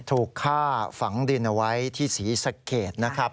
ถูกฆ่าฝังดินเอาไว้ที่ศรีสะเกดนะครับ